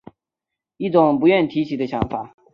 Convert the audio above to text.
一种不愿提起的想法